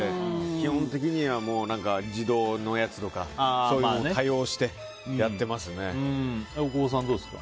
基本的にはもう自動のやつとかそういうのを多用して大久保さん、どうですか？